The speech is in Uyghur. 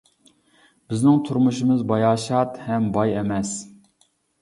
بىزنىڭ تۇرمۇشىمىز باياشات ھەم باي ئەمەس.